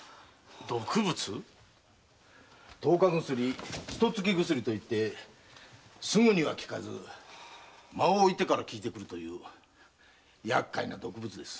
毒物⁉“十日薬”“ひと月薬”といってすぐには効かず間を置いてから効いてくるという厄介な毒物です。